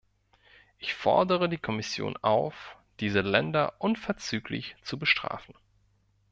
Ich fordere die Kommission auf, diese Länder unverzüglich zu bestrafen.